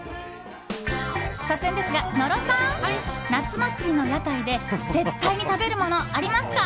突然ですが、野呂さん夏祭りの屋台で絶対に食べるものありますか？